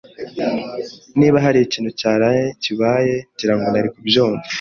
Niba hari ikintu cyaraye kibaye, ngira ngo nari kubyumva.